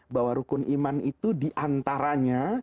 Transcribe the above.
bahwa rukun iman itu diantaranya